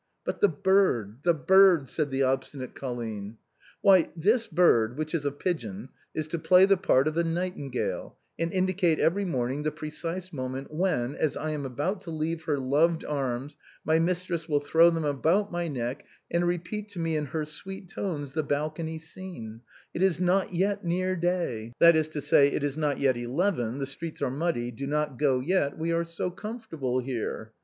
" But the bird, the bird ?" said the obstinate Colline. " Why, this bird, which is a pigeon, is to play the part of the nightingale, and indicate every morning the precise moment when, as I am about to leave her loved arms, my mistress will throw them about my neck and repeat to me in her sweet tones the balcony scene, ' It is not yet near day,' that is to say, ' It is not yet eleven, the streets are muddy, do not go yet, we are so comfortable here.'